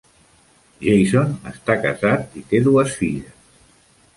Jason està casat i té dues filles.